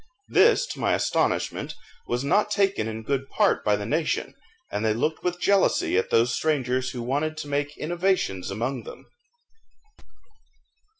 This, to my astonishment, was not taken in good part by the nation, and they looked with jealousy at those strangers who wanted to make innovations among them.